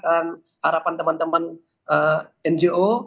dan harapan teman teman ngo